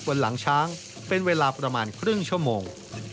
หลังช้างเป็นเวลาประมาณครึ่งชั่วโมง